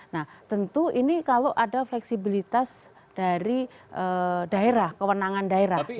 nah tentu ini kalau ada fleksibilitas dari daerah kewenangan daerah